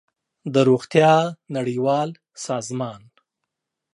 د روغتیا نړیوال سازمان